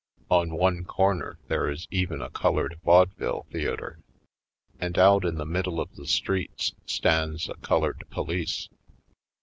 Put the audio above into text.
On one corner there is even a colored vaudeville theatre. And out in the middle of the streets stands a colored police.